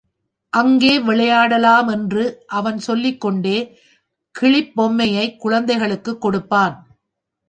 அங்கே விளையாடலாம் என்று அவன் சொல்லிக்கொண்டே கிளிப்பொம்மையைக் குழந்தைகளுக்குக் கொடுப்பான்.